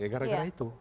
ya gara gara itu